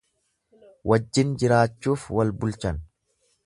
Wajjin jiraachuuf wal bulchan.